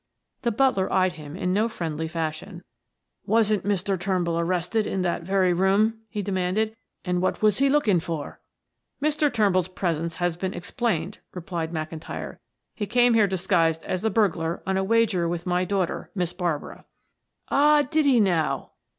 The butler eyed him in no friendly fashion. "Wasn't Mr. Turnbull arrested in that very room?" he demanded. "And what was he looking for?" "Mr. Turnbull's presence has been explained," replied McIntyre. "He came here disguised as a burglar on a wager with my daughter, Miss Barbara." "Ah, did he now?"